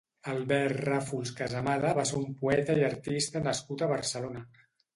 Albert Ràfols-Casamada va ser un poeta i artista nascut a Barcelona.